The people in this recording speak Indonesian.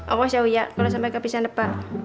awas ya uya kalau sampai ke abis yang depan